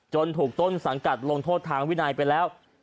ถูกต้นสังกัดลงโทษทางวินัยไปแล้ว